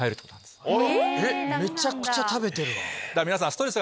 めちゃくちゃ食べてるわ。